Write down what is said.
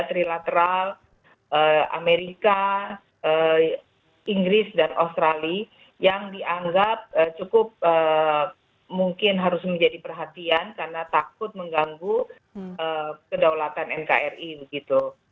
trilateral amerika inggris dan australia yang dianggap cukup mungkin harus menjadi perhatian karena takut mengganggu kedaulatan nkri begitu